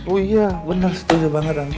oh iya bener setuju banget ang